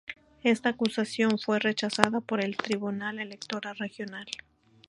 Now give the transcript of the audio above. Esta acusación fue rechazada por el Tribunal Electoral Regional.